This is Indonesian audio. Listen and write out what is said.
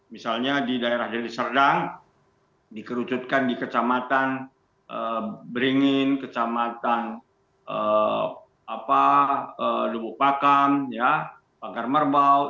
misalnya di daerah deliserdang dikerucutkan di kecamatan beringin kecamatan lubuk pakam pagar merbau